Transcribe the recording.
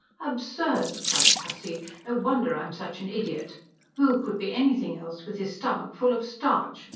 "Absurd," cried Tussie. "No wonder I'm such an idiot. Who could be anything else with his stomach full of starch?